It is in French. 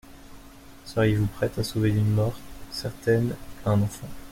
Seriez-vous prête à sauver d’une mort certaine un enfant